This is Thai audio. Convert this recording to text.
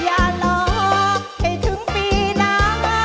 อย่ารอให้ถึงปีหน้า